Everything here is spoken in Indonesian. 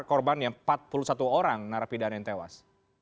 korban yang empat puluh satu orang narapidana yang tewas